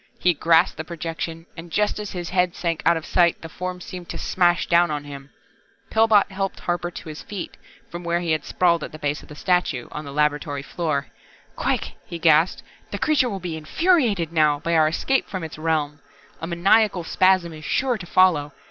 He grasped the projection and just as his head sank out of sight the Form seemed to smash down on him. Pillbot helped Harper to his feet, from where he had sprawled at the base of the statue, on the laboratory floor. "Quick," he gasped. "The Creature will be infuriated now, by our escape from Its realm. A maniacal spasm is sure to follow.